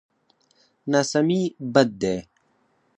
ناسمي بد دی.